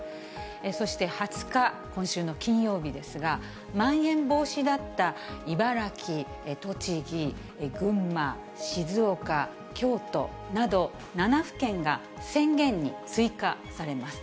そして２０日、今週の金曜日ですが、まん延防止だった茨城、栃木、群馬、静岡、京都など７府県が宣言に追加されます。